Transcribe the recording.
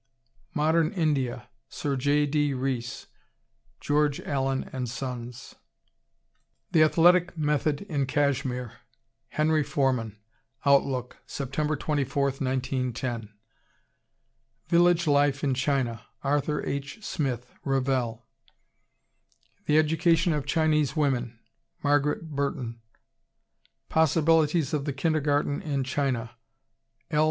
Modern India, Sir J. D. Rees, (George Allen and Sons.) The Athletic Method in Kashmir, Henry Forman, Outlook, Sept. 24, 1910. Village Life in China, Arthur H. Smith, (Revell.) The Education of Chinese Women, Margaret Burton. Possibilities of the Kindergarten in China, L.